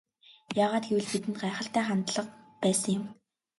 Яагаад гэвэл бидэнд гайхалтай хандлага байсан юм.